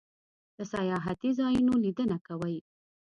د سیاحتی ځایونو لیدنه کوئ؟